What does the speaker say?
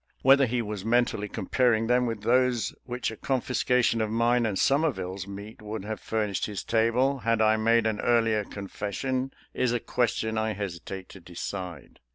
Whether he was mentally comparing them with those which a confiscation of mine and Somerville's meat would have fur nished his table had I made an earlier confes sion, is a question I hesitate to decide.